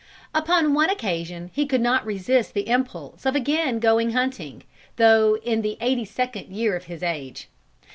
Upon one occasion he could not resist the impulse of again going hunting, though in the eighty second year of his age.